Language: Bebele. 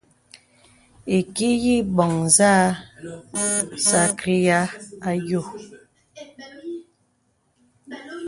Ìki yə î bɔ̀ŋ nzâ sàkryāy ayò.